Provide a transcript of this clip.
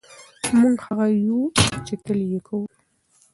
موږ هغه یو چې تل یې کوو.